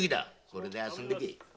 これで遊んでけ。